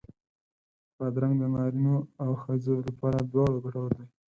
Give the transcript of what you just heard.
بادرنګ د نارینو او ښځو لپاره دواړو ګټور دی.